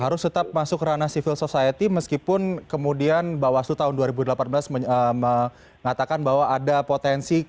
harus tetap masuk ranah civil society meskipun kemudian bawaslu tahun dua ribu delapan belas mengatakan bahwa ada potensi